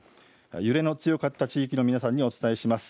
揺れの強かった地域の皆さんにお伝えします。